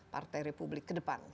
partai republik ke depan